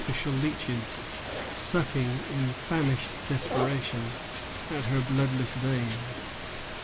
85 with ofiScial leeches, sucking, in famished despera tion, at her bloodless veins.